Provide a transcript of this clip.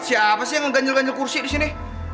siapa sih yang ngeganjel ganjel kursi disini